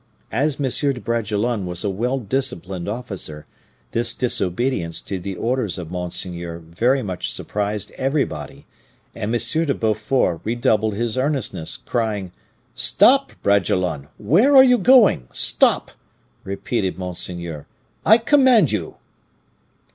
As M. de Bragelonne was a well disciplined officer, this disobedience to the orders of monseigneur very much surprised everybody, and M. de Beaufort redoubled his earnestness, crying, 'Stop, Bragelonne! Where are you going? Stop,' repeated monseigneur, 'I command you!